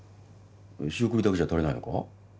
仕送りだけじゃ足りないのか？